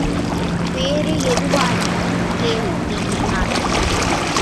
வேறு எதுவாயினும் கேள் என்றான்.